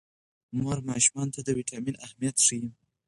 مور ماشومانو ته د ویټامین اهمیت ښيي.